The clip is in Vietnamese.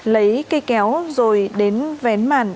lấy cây kéo rồi đến vén màn